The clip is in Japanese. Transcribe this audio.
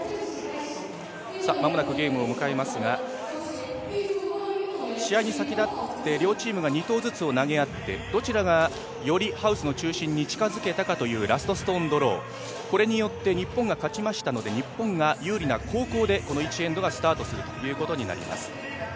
間もなくゲームを迎えますが、試合に先立って両チームが２投ずつを投げ合ってどちらがよりハウスの中心に近づけたかというラストストーンドロー、これによって日本が勝ちましたので、日本が有利な後攻でこの１エンドがスタートするということになります。